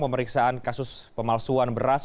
pemeriksaan kasus pemalsuan beras